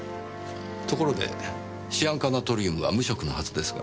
ところでシアン化ナトリウムは無色のはずですが。